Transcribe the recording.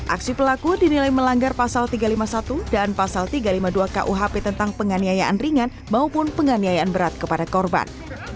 aksi pelaku dinilai melanggar pasal tiga ratus lima puluh satu dan pasal tiga ratus lima puluh dua kuhp tentang penganiayaan ringan maupun penganiayaan berat kepada korban